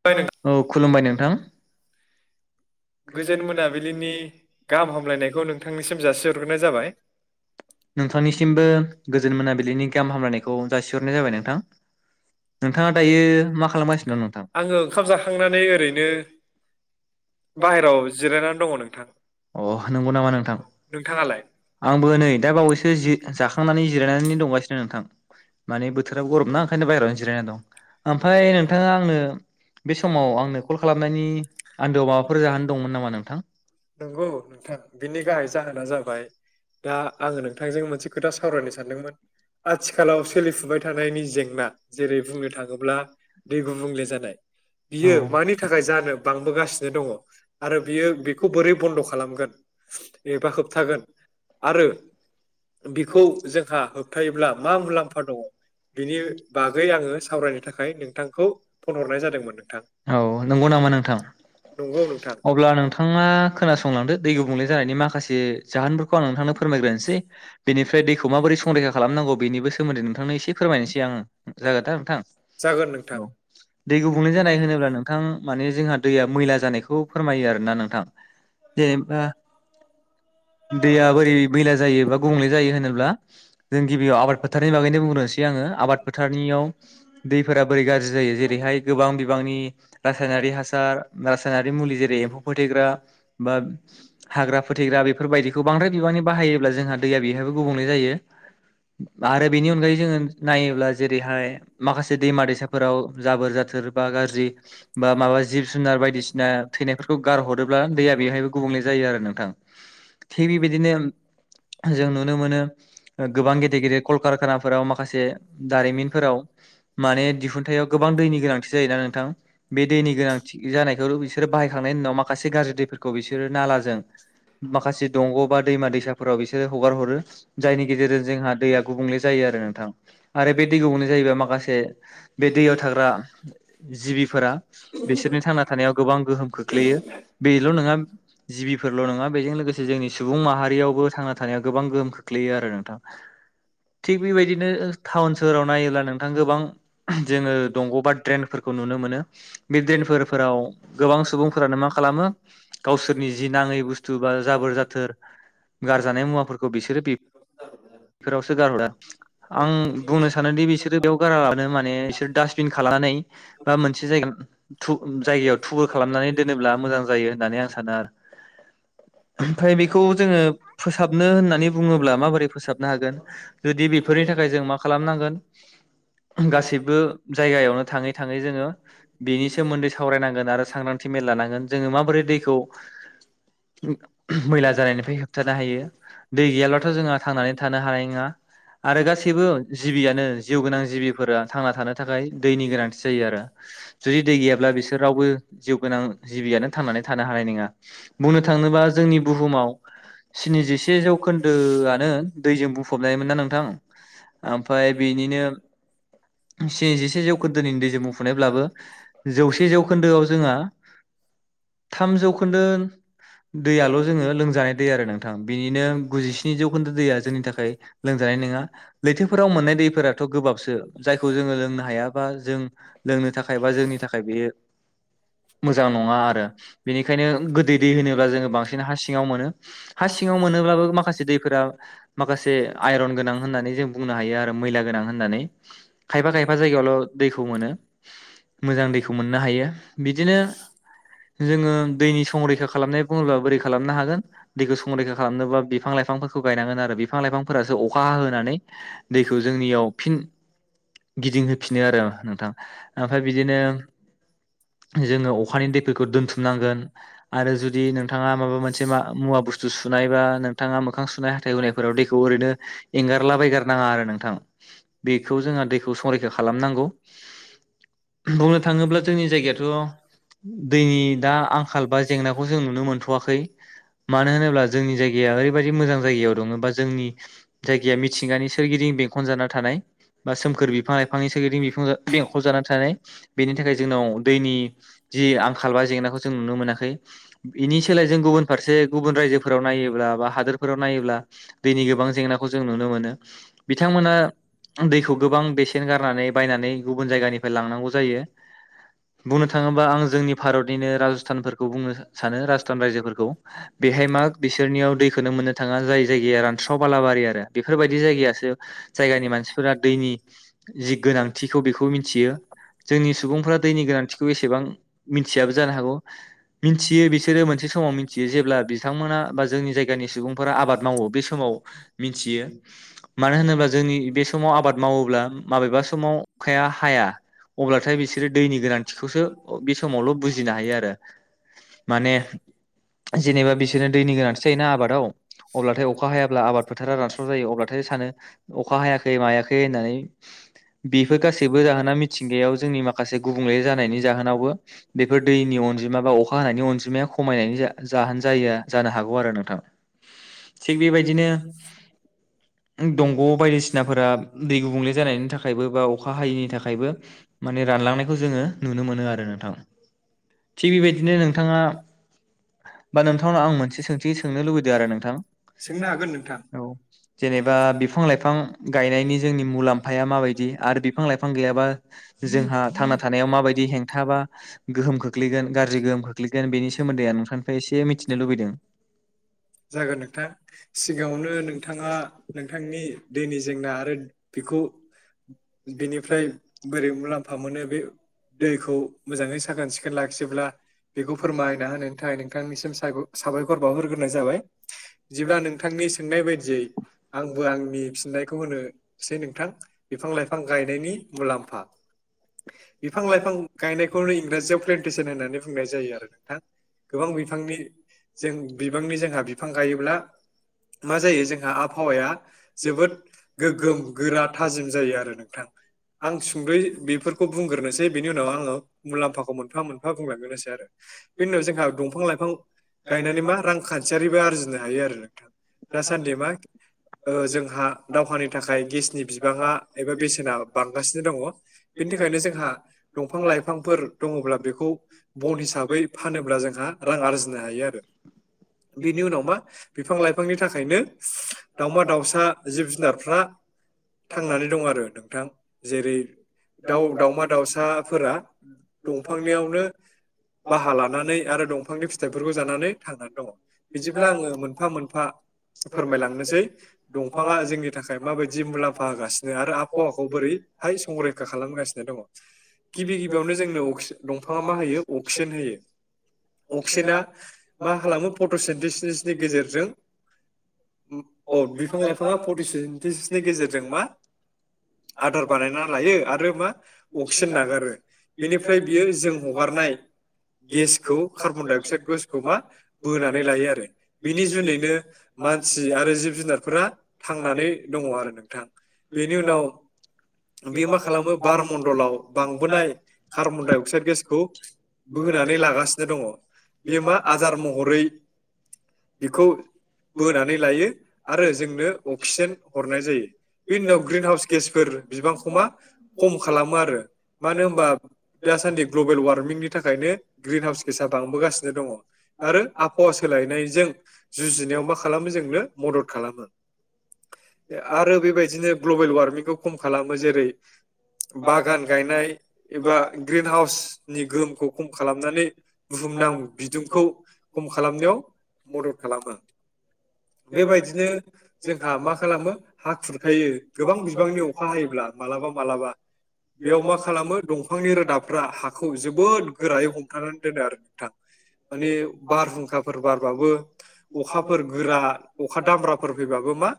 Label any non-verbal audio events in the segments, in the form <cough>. ओमफ्राय नों औ खुलुमबाय नोंथां <inaudible> गोजोन मोनाबिलिनि गाहाम हामलायनायखौ नोंथांनिसिम जासिहरग्रोनाय जाबाय नोंथांनिसिमबो गोजोन मोनाबिलिनि गाहाम हामलायनायखौ जासिहरनाय जाबाय नोंथां। नोंथाङा दायो मा खालामगासिनो दं नोंथां <inaudible> आङो ओंखाम जाखांनानै ओरैनो <inaudible> अ बाहेराव जिरायनानै दङ नोंथां नंगौ नामा नोंथां? नोंथाङालाय आंबो नै दा बावैसो जि जाखांनानै जिरायनानै दंगासिनो नोंथां। माने बोथोरा गरम ना ओंखायनो बाहेरायावनो जिरायना दं। ओमफाय नोंथाङा आंनो बे समाव आंनो कल खालामनायनि आन्दोआव माब <inaudible> नंगौ नोंथां बिनि गाहाय जाहोना जाबाय दा आङो नोंथांजों मोनसे खोथा सावरायनो सानदोंमोन आथिखालाव सोलिफुबाय थानायनि जेंना जेरै बुंनो थाङोब्ला दै गुबुंले जानाय । बियो मानि थाखाय जानो बांबोगासिनो दङ' आरो बियो बेखौ बोरै बन्द' खालामगोन? एबा होबथागोन आरो बिखौ जोंहा होबथायोब्ला मा मुलाम्फा दङ' बिनि बागै आङो सावरायनो था खाय नोंथांखौ फन हरनाय जादोंमोन नोंथां औ नंगौ नामा नोंथां नंगौ नोंथां। अब्ला नोंथाङा खोनासंलांदो दै गुबुंले जानायनि माखासे जाहोनफोरखौ आं नोंथांनो फो फोरमायग्रोनोसै बेनिफ्राय दैखौ माबोरै संरैखा खालामनांगौ बेनि सोमोन्दै नोंथां थांनो एसे फोरमायनोसै आङो जागोनदा नोंथां। जागोन नोंथां औ दै गुबुंले जानाय होनोब्ला नोंथां माने जोंहा दैया मैला जानायखौ फोरमायो आरो ना नोंथां। जेनेबा दैया बोरै मैला जायो बा जायो होनोब्ला जों गिबियाव आबाद फोथारनि बागैनो बुंग्रोनोसै आङो आबाद फोथारनियाव दैफोरा बोरै गाज्रि जायो जेरैहाय गोबां बिबांनि रासायनारि हासार रासायनारि मुलि जेरै एम्फौ फोथैग्रा बा हाग्रा फोथैग्रा बेफोरबायदिखौ बांद्राय बिबांनि बाहायोब्ला जोंहा दैया बेयावहायबो गुबुंले जायो आरो बेनि अनगायै जोङो नायोब्ला जेरैहाय माखासे दैमा दैसाफोराव जाबोर जाथोर बा गाज्रि बा माबा जिब जुनार बायदिसिना थैनायफोरखौ गारहरोब्ला दैया बेहायबो गुबुंले जायो आरो नोंथां थिग बेबायदिनो जों नुनो मोनो गोबां गेदेर गेदेर कल कारखानाफोराव माखासे दारिमिनफोराव माने दिहुनथायाव गोबां दैनि गोनांथि जायोना नोंथां बे दैनि गोनांथि जानायखौ बिसोरो बाहायखांनायनि उनाव माखासे गाज्रि दैफोरखौ बिसोरो नालाजों माखासे दंग' बा दैमा दैसाफोराव बि सोरो हगार हरो जायनि गेजेरजों जोंहा दैया गुबुंले जायो आरो नोंथां आरो बे दै गुबुंले जायोबा माखासे बे दैयाव थाग्रा जिबिफोरा बिसोरनि थांना थानायाव गोबां गोहोम खोख्लैयो बेल' नङा जिबिफोरल' नङा बेजों लोगोसे जोंनि सुबुं माहारियावबो थांना थानायाव गोबां गोहोम खोख्लैयो आरो नोंथां। थिक बिबायदिनो टाउन सोहोराव नायोब्ला नोंथां गोबां जोङो दंग' बा ड्रेनफोरखौ नुनो मोनो बे द्रेन फोर फोराव गोबां सुबुंफोरानो मा खालामो गावसोरनि जि नाङै बुस्थु बा जाबोर जाथोर गार जानाय मुवाफोरखौ बिसोरो बेफोरावसो गारला‌ आं बुंनो सानोदि बिसोरो बेयाव गारालाबखनो माने बिसोर दास्बिन खालामनानै बा मोनसे जायगा थु जायगायाव थुबुर खालामनानै दोनोब्ला मोजां जायो होननानै आं सानो आरो ओमफ्राय बेखौ जोङो फोसाबनो होननानै बुङोब्ला माबोरै फोसाबनो हागोन जुदि बेफोरनि थाखाय जों मा खालामनांगोन गासैबो जायगायावनो थाङै थाङै जोङो बेनि सोमोन्दै सावरायनांगोन आरो सांग्रांथि मेल लानांगोन जोङो माबोरै दैखौ मैला जानायनिफ्राय होबथानो हायो दै गैयाब्लाथ' जोंहा थांनानै थानो हानाय नोङा आरो गासैबो जिबियानो जिउ गोनां जिबिफोरा थांना थानो थाखाय दैनि गोनांथि जायो आरो जुदि दै गैयाब्ला बिसोर रावबो जिउ गोनां जिबियानो थांनानै थानो हानाय नङा बुंनो थाङोबा जोंनि बुहुमाव स्निजि से जौखोन्दोआनो दैजों बुं फबनायमोन ना नोंथा ओम फाय बेनिनो स्निजिसे जौखोन्दोनि दैजों बुंफबनायब्लाबो जौसे जौखोन्दोआव जोंहा थाम जौखोन्दो दैयाल' जोङो लोंजानाय दै आरो नों थां बिनिनो गुजिस्नि जौखोन्दो दैया जोंनि थाखाय लोंजानाय नङा लैथोफोराव मोननाय दैफोराथ' गोबाबसो जायखौ जोङो लोंनो हाया बा जों लोंनो थाखाय बा जोंनि थाखाय बेयो मोजां नङा आरो बेनिखायनो गोदै दै होनोब्ला जोङो बांसिन हा सिङाव मोनो हा सिङाव मोनोब्लाबो माखासे दै फोरा माखासे आइरन गोनां होननानै जों बुंनो हायो आरो मैला गोनां होननानै खायफा खायफा जायगायावल' दैखौ मोनो मोजां दैखौ मोननो हायो बिदिनो जोङो दैनि संरैखा खालामनाय बुङोब्ला बोरै खालामनो हागोन दैखौ संरैखा खालामनोबा बिफां लाइफांफोरखौ गायनांगोन आरो बिफां लाइफांफोरासो अखा हाहोनानै दैखौ जोंनियाव फिन गिदिंहोफिनो आरो नोंथां ओमफ्राय बिदिनो जोङो अखानि दैफोरखौ दोनथुमनांगोन आरो जुदि नोंथाङा माबा मोनसे मा मुवा <unintelligible> सुनायबा नोंथाङा। मोखां सुनाय हाथाय हुनायफोराव दैखौ ओरैनो एंगारलाबायगारनो नाङा आरो नोंथां। बेखौ जोंहा दैखौ संरैखा खालामनांगौ बुंनो थाङोब्ला जोंनि जायगायाथ' दैनि दा आंखाल बा जेंनाखौ जों नुनो मोनथ'वाखै। मानो होनोब्ला जोंनि जायगाया ओरैबायदि मोजां जायगायाव दङ बा जोंनि जायगाया मिथिंगानि सोरगिदिं बेंखन जाना थानाय बा सोमखोर बिफां लाइफांनि सोरगिदिं बिफांजों बेंखन जाना थानाय बेनि थाखाय जोंनाव दैनि जि आंखाल बा जेंनाखौ जों नुनो मोनाखै बेनि सोलाय जों गुबुन फारसे। गुबुन रायजोफोराव नायोब्ला बा हा दोरफोराव नायोब्ला। दैनि गोबां जेंनाखौ जों नुनो मोनो। बिथांमोना दैखौ गोबां बेसेन गारनानै बायनानै गुबुन जायगानि। फ्राय लांनांगौ जायो बुंनो थाङोबा आं जोंनि भारतनिनो राजस्थानफोरखौ बुंनो सानो राजस्थान रायजोफोरखौ। बेहाय मा बिसोरनियाव दैखौनो मोननो थाङा जाय जायगाया रानस्राव बालाबारि आरो। बेफोरबायदि जायगायासो जायगानि मानसिफोरा दैनि जि गोनांथिखौ बेखौ मिथियो जोंनि सुबुंफोरा दैनि गोनांथिखौ एसेबां मिथियाबो जानो हागौ । मिथियो बिसोरो मोनसे समाव मिथियो जेब्ला बिथांमोना बा जोंनि जायगानि सुबुंफोरा आबाद मावो बे समाव मिथियो । मानो होनोब्ला जोंनि बे समाव आबाद मावोब्ला माबेबा समाव अखाया हाया अब्लाथाय बिसोरो दैनि गोनांथिखौसो बे समावल' बुजिनो हायो आरो माने। जेनेबा बिसोरनो दैनि गोनांथि जायोना आबादाव अब्लाथाय अखा हायाब्ला आबाद फोथारा रानस्राव जायो, अब्लाथाय सानो अखा हायाखै मायाखै होननानै बेफोर गासैबो जाहोना मिथिंगायाव जोंनि माखासे गुबुंले जानायनि जाहोनावबो बेफोर दैनि अनजिमा बा अखा हानायनि अनजिमाया खमायनायनि जा जाहोन जायो जानो हागौ आरो नोंथां। थिग बेबायदिनो दंग' बायदिसिनाफोरा दै गुबुंले जानायनि थाखायबो बा अखा हायैनि थाखायबो माने रानलांनायखौ जोङो नुनो मोनो आरो नोंथां थिग बेबायदिनो नोंथाङा। बा नोंथांनाव आं मोनसे सोंथि सोंनो लुबैदों आरो नोंथां। सोंनो हागोन औ जेनेबा बिफां लाइफां गायनायनि जोंनि मुलाम्फाया माबायदि आरो बिफां लाइफां गैयाबा जोंहा थांना थानायाव माबायदि हेंथाबा गोहोम खोख्लैगोन गाज्रि गोहोम खोख्लैगोन बेनि सोमोन्दै आं नोंथां। निफ्राय एसे मिथिनो लुबैदों। जागोन नोंथां सिगाङावनो नोंथाङा नोंथांनि दैनि जेंना आरो। बेखौ बिनिफ्राय बोरै मुलाम्फा मोनो, बे दैखौ मोजाङै साखोन सिखोन लाखियोब्ला बेखौ फोरमायना होनायनि थाखाय नोंथांनिसिम साबायखर बावहरग्रोनाय जाबाय। जेब्ला नोंथांनि सोंनाय बायदियै आंबो आंनि फिननायखौ होनोसै नोंथां बिफां लाइफां गायनायनि मुलामफा, बिफां-लाइफां गायनायखौनो इंराजियाव प्लेनथेसन होननानै बुंनाय जायो आरो नोंथां। गोबां बिफांनि जों बिबांनि जोंहा बि बिफां गायोब्ला मा जायो जोंहा आबहावाया जोबोद गोग्गोम गोरा थाजिम जायो आरो नों थां आं सुंद'यै बेफोरखौ बुंगोरनोसै, बिनि उनाव आङो मुलामफाखौ मोनफा मोनफा बुंलांगोसै आरो। बेनि उनाव जोंहा दंफां लाइफां गायनानै मा रांखान्थियारि आरजिनो हायो आरो नोंथां। दासान्दि मा ओ जोंहा दावहानि थाखाय गेसनि बिबाङा एबा बेसे बांगासिनो दङ बिनि थाखायनो जोंहा दंफां लाइफांफोर दङब्ला बेखौ बन हिसाबै फानोब्ला जोंहा रां आरजिनो हायो आरो। बिनि उनाव मा बिफां लाइफांनि थाखायनो दाावमा दाउसा जिब जुनारफ्रा थांनानै दं आरो। जेरै दाउ दाावमा दाउसाफोरा दंफांनियावनो बाहा लानानै आरो दंफांनि फिथाइफोरखौ जानानै थांनानै दङ। बिदिब्ला आङो मोनफा मोनफा फोरमायलांनोसै दंफाङा जोंनि थाखाय माबायदि मुलाम्फा होगासिनो आरो। हावाखौ बोरैहाय संरैखा खालामासिनो दङ। गिबि गिबियावनो जोंनो अक्सि दंफाङा मा होयो अक्सिजेन होयो अक्सिज मा खालामो फथ तिजिस नि गेजेरजों अ बिफां लाइफाङा फटसेनटिसनि गेजेरजों मा आदार बानायना लायो आरो मा अक्सिजेन नागारो बेनिफ्राय बियो जों हगारनाय गेसखौ कार्बन डाइ अक्साइद गेसखौ मा बोनानै नै ल लायो आरो बिनि जुनैनो मानसि आरो जिब जुनारफोरा थांनानै दङ आरो नोंथां। बेनि उनाव बेयो मा खालामो बार मणडलाव बांबोनाय कार्बनडाइ अक्साइद गेसखौ बोनानै लागासिनो दङ बेयो मा आदार महरै बेखौ बोनानै लायो आरो जोंनो अक्सिजेन हरनाय जायो बेनि उनाव ग्रिन हाउस गेसफोर बिबांखौ मा खम खालामो आरो मानो होनबा दासान्दि ग्लबेल वार्मिंनि थाखायनो ग्रिन हाउस गेसा बांबोगासिनो दङ आरो आब अ सोलायनाय जों जुजिनायाव मा खालामो जोंनो मदद खालामो। आरो बेबायदिनो ग्लबेल वार्मिंखौ खम खालामो जेरै बागान गायनाय एबा ग्रिन हाउसनि गोहोमखौ खम खालामनानै बुहुमनां बिदुंखौ खम खालामनायाव मदद खालामो। बेबायदिनो जोंहा मा खालामो हा खुरखायो गोबां बिबांनि अखा हायोब्ला मालाबा मालाबा बेयाव मा खालामो दंफांनि रोदाबफ्रा हाखौ जोबोद गोरायै हमथानानै दोनो आरो नोंथां। माने बारहुंखाफोर बारबाबो अखाफोर गोरा अखा दामब्राफोर फैबाबो मा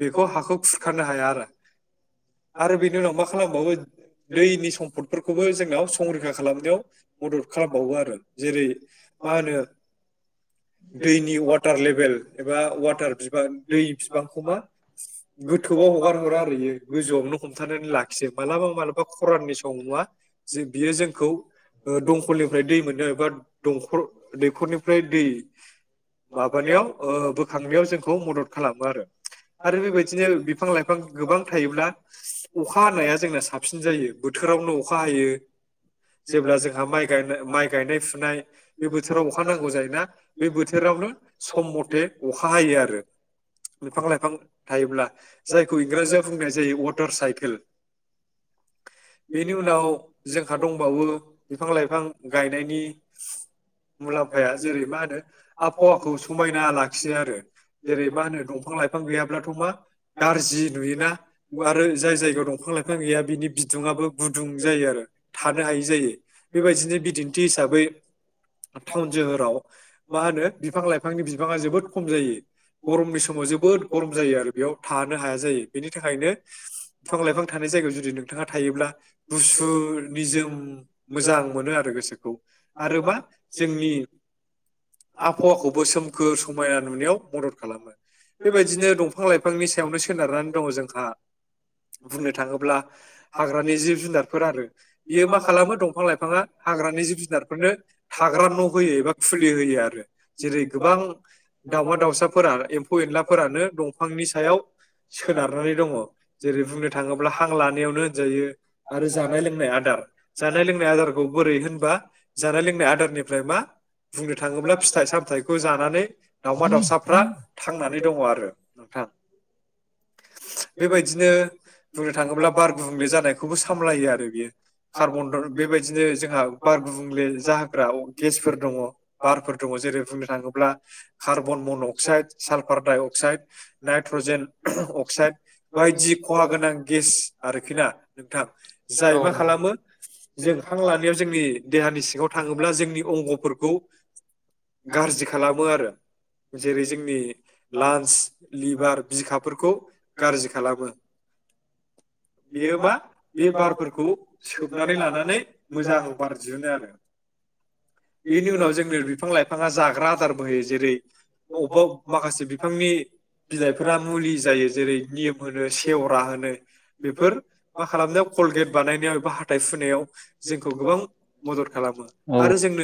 बेखौ हाखौ खुरखानो हाया आरो। आरो बेनि उनाव मा खालामबावो दैनि सम्फदफोरखौबो जोंनाव संरैखा खालामनायाव मदद खालामबावो आरो जेरै मा होनो दैनि वाटार लेभेल एबा वाटार बिबां दै बिबांखौ मा गोथौआव हगार हरा आरो बियो गोजौआवनो हमथानानै लाखियो मालाबा मालाबा खराननि समाव मा बियो जोंखौ ओ दंखलनिफ्राय दै मोनो एबा दंखल दै खरनिफ्राय दै माबानायाव बोखांनायाव जोंखौ मदद खालामो आरो। आरो बेबायदिनो बिफां लाइफां गोबां थायोब्ला अखा हानाया जोंना साबसिन जायो बोथोरावनो अखा हायो जेब्ला जोंहा माइ गाय माइ गायनाय फुनाय बे बोथोराव होनांगौ जायोना बे बोथोरावनो सम मथे अखा हायो आरो बिफां लाइफां थायोब्ला जायखौ इंराजियाव बुंनाय जायो वटर साइकेल। बेनि उनाव जोंहा दंबावो बिफां लाइफां गायनायनि मुलाम्फाया जेरै मा होनो आबहावाखौ समायना लाखियो आरो जेरै मा होनो दंफां लाइफां गैयाब्लाथ' मा गाज्रि नुयोना आरो जाय जायगायाव दंफां लाइफां गैया बिनि बिदुङआबो गुदुं जायो आरो थानो हायै जायो बेबायदिनो बिदिन्थि हिसाबै टाउन जोहोराव मा होनो बिफां लाइफांनि बिफाङा जोबोद खम जायो गरमनि समाव जोबोद गरम जायो आरो बेयाव थानो हाया जायो बेनि थाखायनो बिफां लाइफां थानाय जायगायाव जुदि नोंथाङा थायोब्ला गुसु निजोम मोजां मोनो आरो गोसोखौ आरो मा जोंनि आबहावाखौबो सोमखोर समायना नुनायाव मदद खालामो। बेबायदिनो दंफां-लाइफांनि सायावनो सोनारनानै दङ' जोंहा। बुंनो थाङोब्ला हाग्रानि जिब-जुनारफोर आरो। बियो मा खालामो दंफां लाइफाङा हाग्रानि जिब-जुनारफोरनो थाग्रा न' होयो एबा खुलि होयो जेरै गोबां दाावमा दाउसाफोरा एम्फौ एनलाफोरानो दंफांनि सायाव सोनारनानै दङ जेरै बुंनो थाङोब्ला हां लानायावनो होनजायो आरो जानाय लोंनाय आदार जानाय लोंनाय आदारखौ बोरै होनबा जानाय लोंनाय आद फ्राय मा बुंनो थाङ फिथाइ सामथाइखौ जानानै दाावमा दाावसाफ्रा थांनानै दङ आरो नोंथां बेबायदिनो बुंनो थाङोब्ला बार गुबुंले जानायखौबो सामलायो आरो बियो कारमनदल बेबायदिनो जोंहा बार गुबुंले जा फ्राव गेसफोर दङ बारफोर दङ जेरै बुंनो थाङोब्ला carbon monoxide sulphur dioxide nitrogen oxide बायदि खहा गोनां गेस आरोखिनाा नोंथां जाय मा खालामो जों हां लानायाव जोंनि देहानि सिङाव थाङोब्ला जोंनि अंगफोरखौ गाज्रि खालामो आरो जेरै जोंनि लांस लिभार बिखाफोर खौ गाज्रि खालामो । बेयो मा बे बारफोरखौ सोबनानै लानानै मोजां बार दिहुनो आरो बेनि उनाव जोंनो बिफां लाइफाङा जाग्रा आदारबो होयो जेरै बबेबा माखासे बिफांनि बिलाइफोरा मुलि जायो जेरै नियम होनो सेवरा होनो बेफोर मा खालामनायाव कलगेट बानायनायाव एबा हााइ फुनायाव जोंखौ गोबां मदद खालामो । औ आरो जोंनो